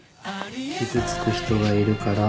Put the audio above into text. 傷つく人がいるから。